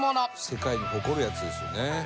「世界に誇るやつですよね」